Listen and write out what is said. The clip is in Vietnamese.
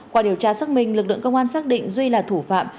qua điều tra xác minh lực lượng công an xác định duy là thủ phạm